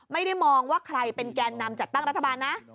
ไม่ได้มองว่าใครเป็นแกนนำจัดตั้งรัฐบาลนะ